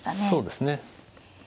そうですね。